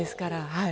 はい。